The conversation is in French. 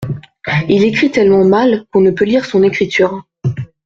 Il écrit tellement mal qu’on ne peut lire son écriture.